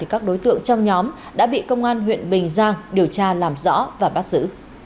các đối tượng trong nhóm đã bị công an huyện bình giang điều tra làm rõ và bắt giữ